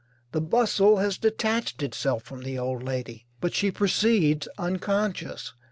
the bustle has detached itself from the old lady, but she proceeds, unconscious.